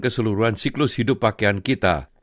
keseluruhan siklus hidup pakaian kita